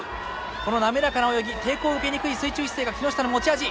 この滑らかな泳ぎ抵抗を受けにくい水中姿勢が木下の持ち味。